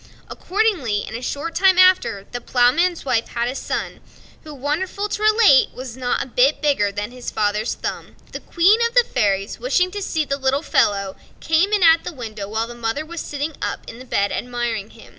Accordingly, in a short time after, the Ploughman's wife had a son, who, wonderful to relate! was not a bit bigger than his father's thumb. The Queen of the fairies, wishing to see the little fellow, came in at the window, while the mother was sitting up in bed admiring him.